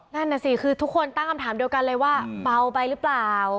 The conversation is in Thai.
นั่นน่ะสิคือทุกคนตั้งคำถามเดียวกันเลยว่าเบาไปหรือเปล่า